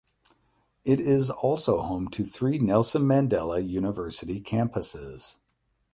It is also home to three Nelson Mandela University campuses.